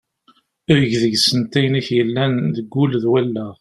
Eg deg-sent ayen i k-yellan deg wul d wallaɣ.